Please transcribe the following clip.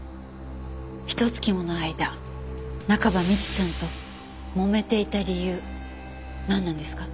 ひと月もの間中葉美智さんともめていた理由なんなんですか？